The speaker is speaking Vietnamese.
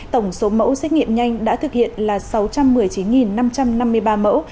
tổng số mẫu xét nghiệm nhanh đã thực hiện là sáu trăm một mươi chín năm trăm năm mươi ba mẫu